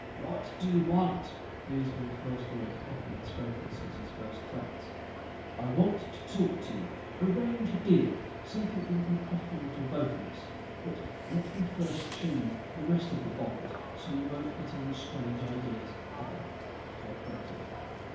"What do you want?" These were the first words Pepe had spoken since his first threats. "I want to talk to you, arrange a deal. Something that would be profitable for both of us. But let me first show you the rest of the bombs, so you won't get any strange ideas about co operating."